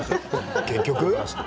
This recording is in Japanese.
結局。